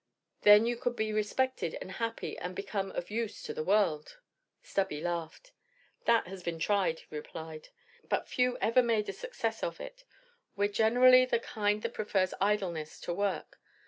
Then you could be respected and happy and become of use to the world." Stubby laughed. "That has been tried," he replied; "but few ever made a success of it. We're generally the kind that prefers idleness to work.